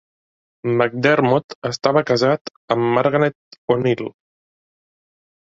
McDermott estava casat amb Margaret O'Neill.